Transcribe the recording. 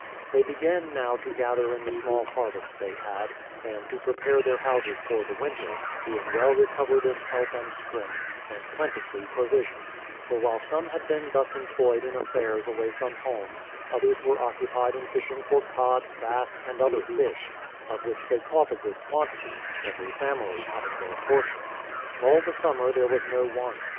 They began now to gather in the small harvest they had, and to prepare their houses for the winter, being well re covered in health and strength, and plentifully provisioned; for while some had been thus employed in affairs away from home, others w^ere occupied in fishing for cod, bass, and other fish, of which they caught a good quantity, every family having their portion. All the summer there was no want.